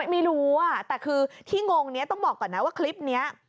ไม่รู้แต่คือที่งงนี้ต้องบอกก่อนนะว่าคลิปนี้